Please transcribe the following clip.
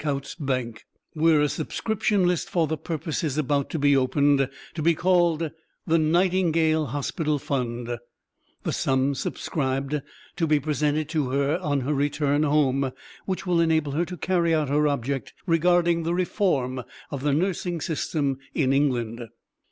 Coutts' Bank, where a subscription list for the purpose is about to be opened, to be called the 'Nightingale Hospital Fund,' the sum subscribed to be presented to her on her return home, which will enable her to carry out her object regarding the reform of the nursing system in England."